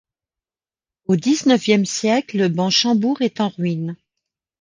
Au dix-neuvième siècle, le banc Chambours est en ruine.